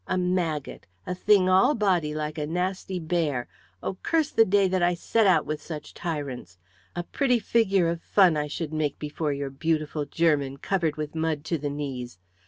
A maggot, a thing all body like a nasty bear. Oh, curse the day that I set out with such tyrants! A pretty figure of fun I should make before your beautiful German, covered with mud to the knees.